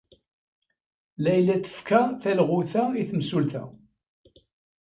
Layla tefka talɣut-a i temsulta.